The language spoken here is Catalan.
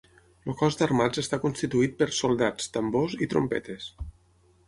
El cos d'Armats està constituït per "soldats", "tambors" i "trompetes".